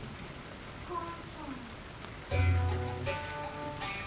ガンさん。